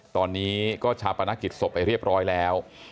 ตอนนี้ก็ชาปนกิจศพไปเรียบร้อยแล้ว